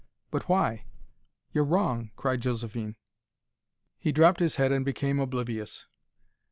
"But why? You're wrong!" cried Josephine. He dropped his head and became oblivious.